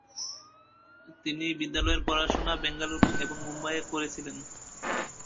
তিনি বিদ্যালয়ের পড়াশুনা বেঙ্গালুরু এবং মুম্বইয়ে করেছিলেন।